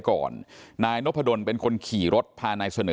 มีรถกระบะจอดรออยู่นะฮะเพื่อที่จะพาหลบหนีไป